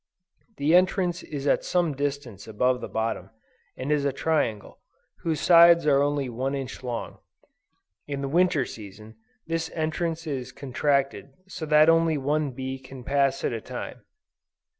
The entrance is at some distance above the bottom, and is a triangle, whose sides are only one inch long. In the winter season, this entrance is contracted so that only one bee can pass at a time.